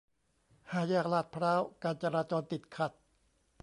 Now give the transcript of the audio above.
ห้าแยกลาดพร้าว การจราจรติดขัด